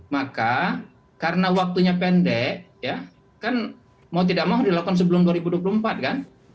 maka karena waktunya pendek ya kan mau tidak mau dilakukan sebelum dua ribu dua puluh empat kan